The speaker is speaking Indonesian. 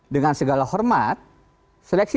dengan segala hormat seleksi